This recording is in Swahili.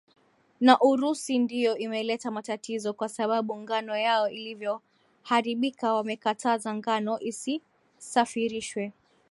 na urusi ndio imeleta matatizo kwa sababu ngano yao ilivyoharibika wamekataza ngano isisafirishwe